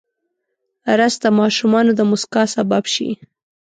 رس د ماشوم د موسکا سبب شي